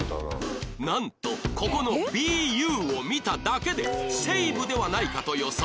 なんとここの「ＢＵ」を見ただけで ＳＥＩＢＵ ではないかと予想